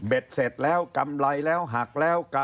เสร็จแล้วกำไรแล้วหักแล้ว